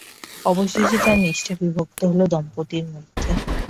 অবশেষে তার নিষ্ঠা বিভক্ত হল দম্পতির মধ্যে।